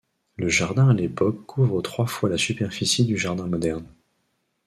Le jardin à l'époque couvre trois fois la superficie du jardin moderne.